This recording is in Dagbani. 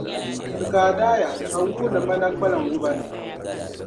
Kikaa daaya ka wuuni mana kpalim wuba ni.